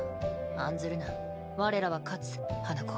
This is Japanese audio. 案ずるな我らは勝つ花子。